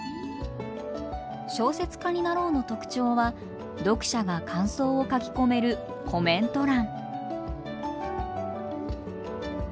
「小説家になろう」の特徴は読者が感想を書き込めるコメント欄。